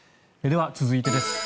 では、続いてです。